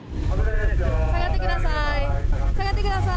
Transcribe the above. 下がってください。